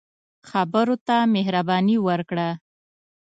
خبرو ته مهرباني ورکړه